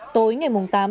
tối ngày bốn tháng năm